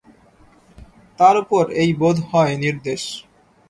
তার উপর এই বোধহয় নির্দেশ।